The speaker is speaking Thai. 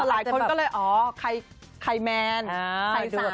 หลายคนก็เลยอ๋อใครแมนใครสั่ง